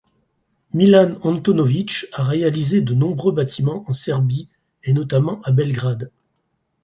Milan Antonović a réalisé de nombreux bâtiments en Serbie et, notamment, à Belgrade.